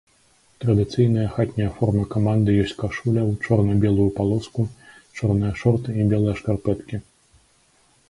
Традыцыйная хатняя форма каманды ёсць кашуля ў чорна-белую палоску, чорныя шорты і белыя шкарпэткі.